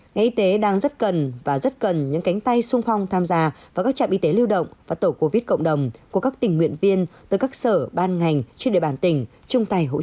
ngày y tế đang rất cần và rất cần những cánh tay sung phong tham gia vào các trạm y tế lưu động và tổ covid cộng đồng của các tình nguyện viên từ các sở ban ngành truyền địa bàn tỉnh chung tay hỗ trợ